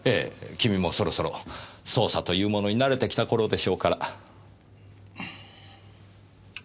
君もそろそろ捜査というものに慣れてきた頃でしょうから。